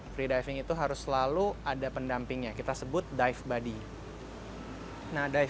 free diving itu harus selalu ada pendampingnya kita sebut dive body